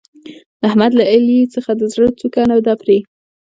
د احمد له علي څخه د زړه څوکه نه ده پرې.